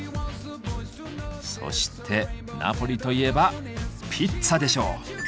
そしてナポリといえばピッツァでしょう！